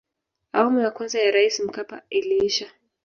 awamu ya kwanza ya raisi mkapa iliisha